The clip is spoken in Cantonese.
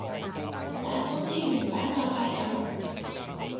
但好似原版就係噉